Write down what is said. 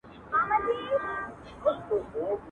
لا یې ځای نه وو معلوم د کوم وطن وو.